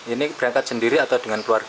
ini berangkat sendiri atau dengan keluarga